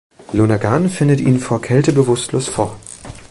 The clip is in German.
Lonergan findet ihn vor Kälte bewusstlos vor.